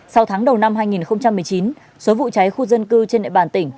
sau tháng đầu năm hai nghìn một mươi chín số vụ cháy khu dân cư trên địa bàn tỉnh